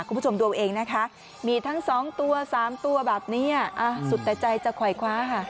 คุณผู้ชมดูเองนะคะมีทั้งสองตัวสามตัวแบบนี้สุดแต่ใจจะคอยคว้าค่ะ